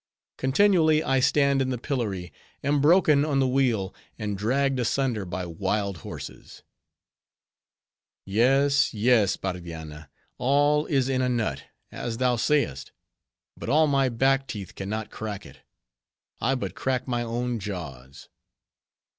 Continually I stand in the pillory, am broken on the wheel, and dragged asunder by wild horses. Yes, yes, Bardianna, all is in a nut, as thou sayest; but all my back teeth can not crack it; I but crack my own jaws.